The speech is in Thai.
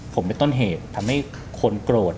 ผมเป็นต้นเหตุทำให้คนโกรธ